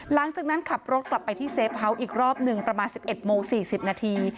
หลังจากนั้นขับรถกลับไปที่เซฟเฮาส์อีกรอบหนึ่งประมาณ๑๑โมง๔๐นาที